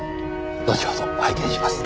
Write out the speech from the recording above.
後ほど拝見します。